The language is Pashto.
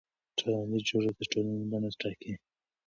ټولنیز جوړښت د ټولنې بڼه ټاکي.